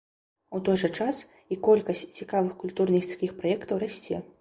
У той жа час і колькасць цікавых культурніцкіх праектаў расце.